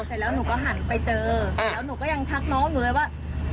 เสร็จแล้วหนูก็หันไปเจอแล้วหนูก็ยังทักน้องหนูเลยว่า